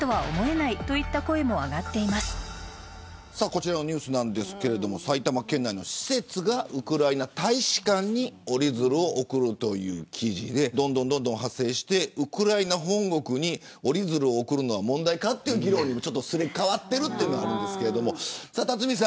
こちらのニュースですが埼玉県内の施設がウクライナ大使館に折り鶴を送るという記事でどんどん派生してウクライナ本国に折り鶴を送るのは問題かという議論にもすり替わってるというのがあるんですけど。